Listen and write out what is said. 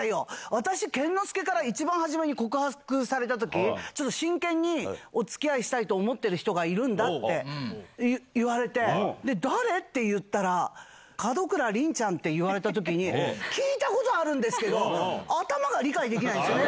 私、健之介から一番初めに告白されたとき、ちょっと真剣におつきあいしたいと思ってる人がいるんだって言われて、誰？って言ったら、門倉凛ちゃんって言われたときに、聞いたことあるんですけど、頭が理解できないんですよ。